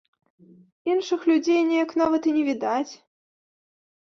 Іншых людзей неяк нават і не відаць.